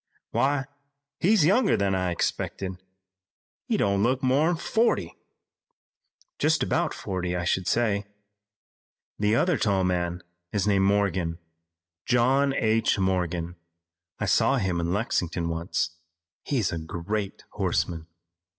"Why, he's younger than I expected. He don't look more'n forty." "Just about forty, I should say. The other tall man is named Morgan, John H. Morgan. I saw him in Lexington once. He's a great horseman.